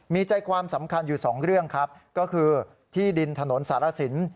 มีใจความสำคัญอยู่สองเรื่องครับก็คือที่ดินถนนสารสิน